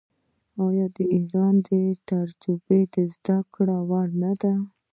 آیا د ایران تجربه د زده کړې وړ نه ده؟